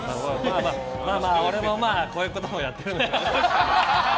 俺も、まあこういうこともやってるんです。